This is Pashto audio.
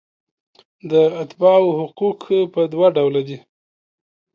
د اتباعو حقوق په دوه ډوله دي.